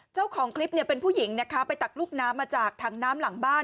เจ้าของคลิปเนี่ยเป็นผู้หญิงนะคะไปตักลูกน้ำมาจากถังน้ำหลังบ้าน